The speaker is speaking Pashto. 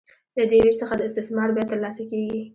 له دې وېش څخه د استثمار بیه ترلاسه کېږي